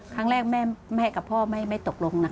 ครั้งแรกแม่กับพ่อไม่ตกลงนะ